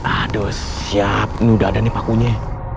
aduh siap ini udah ada nih pakunya ya